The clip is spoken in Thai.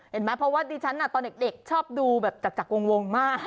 เห็นไหมเพราะว่าดิฉันตอนเด็กชอบดูแบบจากวงมาก